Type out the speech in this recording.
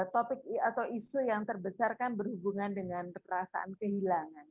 topik atau isu yang terbesarkan berhubungan dengan perasaan kehilangan